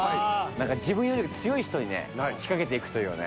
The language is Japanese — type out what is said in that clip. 自分より強い人にね仕掛けていくというね。